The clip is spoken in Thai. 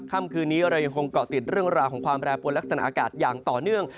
ค่ำคืนนี้เรายังคงเกาะติดเรื่องราวของความแปรปวนลักษณะอากาศอย่างต่อเนื่อง